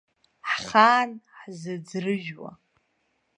Ҳхаан ҳзыӡрыжәуа.